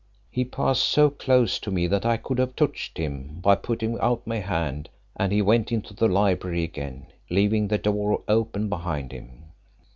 He passed so close to me that I could have touched him by putting out my hand, and he went into the library again, leaving the door open behind him.